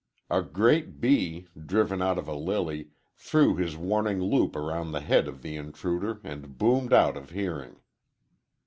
A great bee, driven out of a lily, threw his warning loop around the head of the intruder and boomed out of hearing.